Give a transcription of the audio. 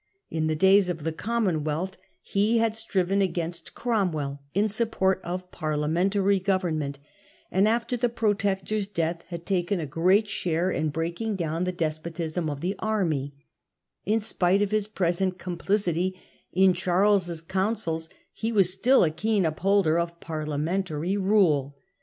In the days of the Cooper. Commonwealth he had striven against Crom well in support of parliamentary government, and after the Protector's death had taken a great share in breaking down the despotism of the army; in spite of his present complicity in Charles's counsels he was still a keen up holder of parliamentary rule.